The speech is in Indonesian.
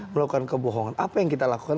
melakukan kebohongan apa yang kita lakukan